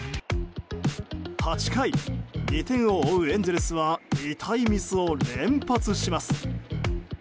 ８回、２点を追うエンゼルスは痛いミスを連発します。